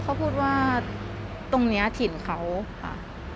เขาพูดว่าตรงนี้ถิ่นเขาค่ะ